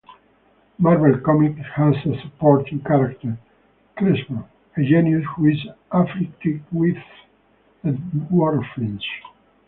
Marvel Comics has a supporting character Chesbro, a genius who is afflicted with dwarfism.